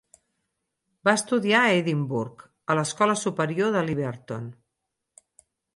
Va estudiar a Edimburg, a l'escola superior de Liberton.